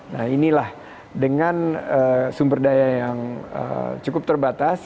nah inilah dengan sumber daya yang cukup terbatas